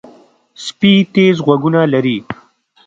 سپي تیز غوږونه لري.